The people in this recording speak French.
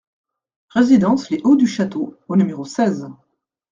Résidence les Hauts du Château au numéro seize